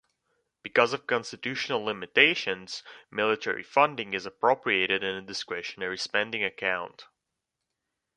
Because of constitutional limitations, military funding is appropriated in a discretionary spending account.